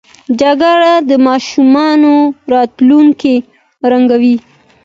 جګړه د ماشومانو راتلونکی ړنګوي